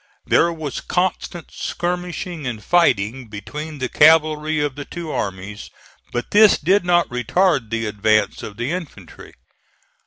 There was constant skirmishing and fighting between the cavalry of the two armies, but this did not retard the advance of the infantry.